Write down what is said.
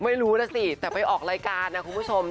ไม่รู้นะสิแต่ไปออกรายการนะคุณผู้ชม